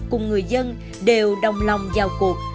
cùng người dân đều đồng lòng giao cuộc